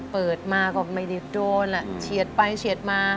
เปิดมาก็ไม่ได้โดนเฉียดไปเฉียดมา